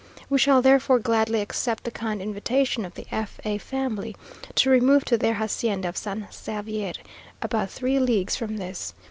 We shall therefore gladly accept the kind invitation of the F a family, to remove to their hacienda of San Xavier, about three leagues from this.